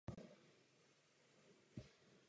Výrazněji se však změnila geometrie.